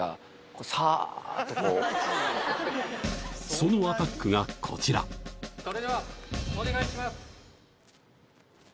そのアタックがこちらそれではお願いします。